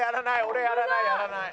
俺やらないやらない。